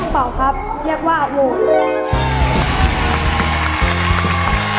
เป็นช่วงเปล่าครับ